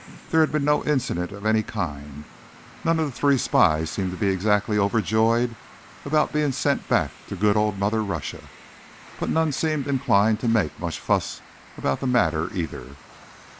There had been no incident of any kind. None of the three spies seemed to be exactly overjoyed about being sent back to good old Mother Russia, but none seemed inclined to make much fuss about the matter, either.